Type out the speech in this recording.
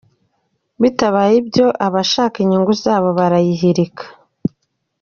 Bitabaye ibyo abashaka inyungu zabo barayihirika.